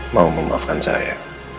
mau memaafkan saya